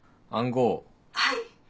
はい。